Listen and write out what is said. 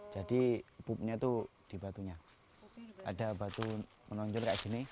jadi pupnya itu di batunya ada batu menonjol kayak gini